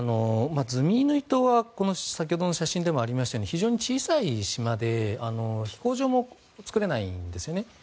ズミイヌイ島は先ほども写真にもありましたように非常に小さい島で飛行場も作れないんですよね。